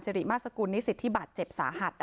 สิริมาสกุลนิสิทธิบาทเจ็บสาหัส